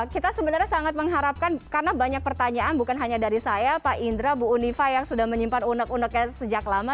kita sebenarnya sangat mengharapkan karena banyak pertanyaan bukan hanya dari saya pak indra bu unifa yang sudah menyimpan unek uneknya sejak lama